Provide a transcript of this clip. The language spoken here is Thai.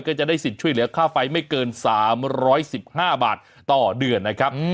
ก็จะได้สิทธิ์ช่วยเหลือค่าไฟไม่เกิน๓๑๕บาทต่อเดือนนะครับ